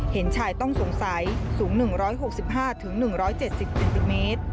เห็นชายต้องสงสัยสูง๑๖๕๑๗๐เซนติเมตร